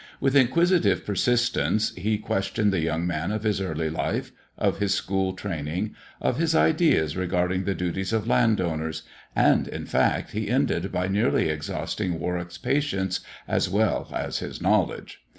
With inquisitive persistence he questioned the young man of his early life, of his school training, of his ideas regarding the duties of landowners, and, in fact, he ended by nearly exhausting Warwick's patience as well as his knowledge.